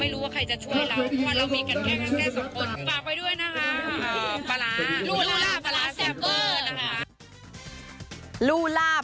ไม่รู้ว่าใครจะช่วยเรา